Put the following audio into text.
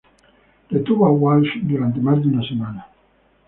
Retuvo a Walsh durante más de una semana.